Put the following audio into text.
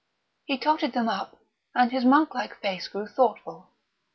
He totted them up, and his monk like face grew thoughtful.